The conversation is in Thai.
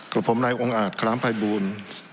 กรุงผมในองค์อาทคล้ามภายบูรณ์